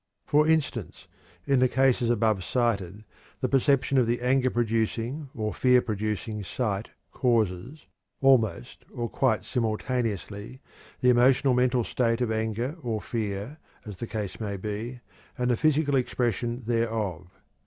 For instance, in the cases above cited, the perception of the anger producing or fear producing sight causes, almost or quite simultaneously, the emotional mental state of anger or fear, as the case may be, and the physical expression thereof.